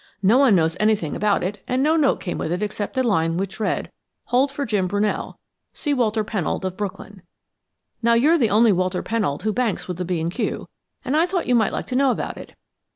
No one knows anything about it and no note came with it except a line which read: 'Hold for Jim Brunell. See Walter Pennold of Brooklyn.' Now you're the only Walter Pennold who banks with the B. & Q. and I thought you might like to know about it.